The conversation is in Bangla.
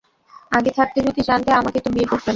আগে থাকতে যদি জানতে আমাকে তো বিয়ে করতে না।